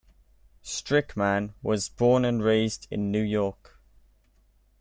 Strickman was born and raised in New York.